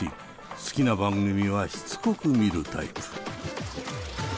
好きな番組はしつこく見るタイプ。